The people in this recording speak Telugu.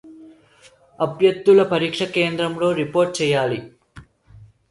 అభ్యర్థులు పరీక్ష కేంద్రాల్లో రిపోర్ట్ చేయాలి